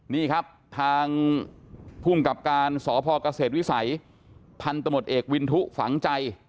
นี่ครับทางภูมิกับการสพเกษตรวิสัยพันธมตเอกวินทุฝังใจ